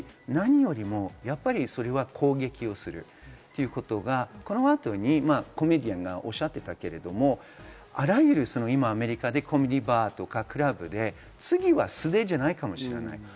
何よりも攻撃をするということが、この後にコメディアンがおっしゃっていたけれども、あらゆる今、アメリカでコメディーバーとかクラブで次は素手じゃないかもしれない。